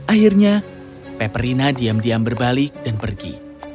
akhirnya peperina diam diam berbalik dan pergi